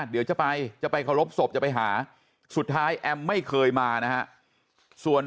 เดี๋ยวจะไปจะไปเคารพศพจะไปหาสุดท้ายแอมไม่เคยมานะฮะส่วน